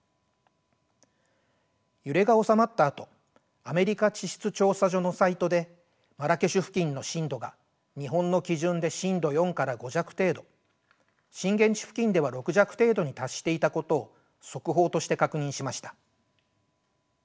揺れが収まったあとアメリカ地質調査所のサイトでマラケシュ付近の震度が日本の基準で震度４から５弱程度震源地付近では６弱程度に達していたことを速報として確認しました。